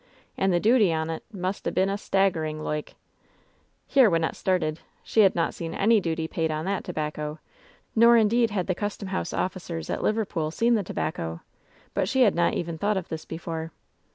And the duty on 't must a been sta^ering loike!" Here Wynnette started. She had not seen any duty paid on that tobacco ; nor, indeed, had the custom house oflScers at Liverpool seen the tobacco; but she had not even thought of this before.